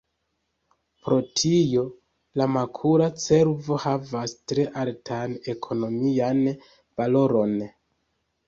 Pro tio, la makula cervo havas tre altan ekonomian valoron.